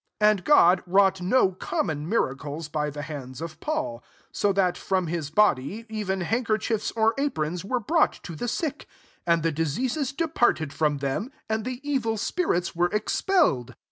11 And God wrought no »mmon miracles by the hands Paul: IS so that, from his )dy, even handkerchiefs or irons* were brought to the ck ; and the diseases departed from them, and the evil spirits were expelled.